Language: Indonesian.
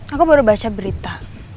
aku baru baca berita